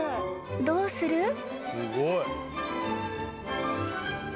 ［どうする？］